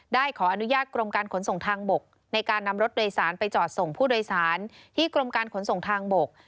ได้ขออนุญาตกรมการขนส่งทางบกในการนำรถโดยสารไปจอดส่งผู้โดยสารที่กรมการขนส่งทางบก